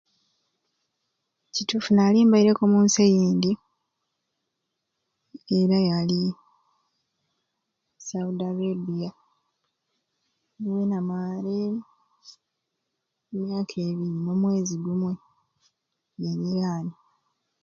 Kituffu nali nimbaireku omunsi eyindi era yali Saudi Arabia wenamaare emyaka ibiri nomwezi gumwe ninyira ani.